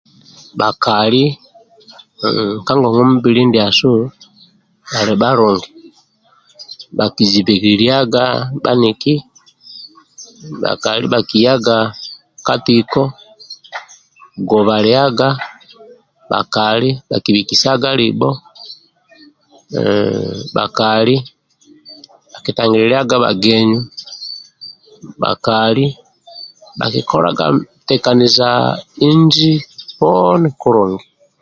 bakali ka ngongwambili ndiasu ali balungi bakizibilyaga baniki bakali bakiyaga ka tiko guba lyaga bakali bakibhikisaga libo bakali bakitangililyaga bagenu bakali bakikolaga tekanija inji poni kulungi